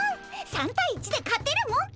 ３対１で勝てるもんか。